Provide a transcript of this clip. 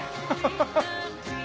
ハハハハ！